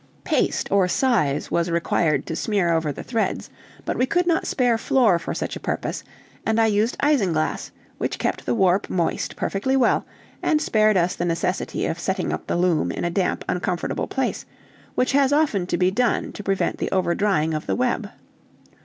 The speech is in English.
Paste or size was required to smear over the threads; but we could not spare floor for such a purpose, and I used isinglass, which kept the warp moist perfectly well, and spared us the necessity of setting up the loom in a damp uncomfortable place, which has often to be done to prevent the over drying of the web.